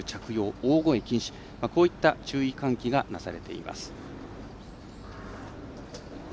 大声禁止、こういった注意喚起がなされています。